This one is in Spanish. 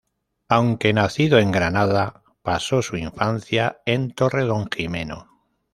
Aunque nacido en Granada pasó su infancia en Torredonjimeno.